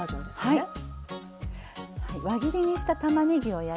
はい。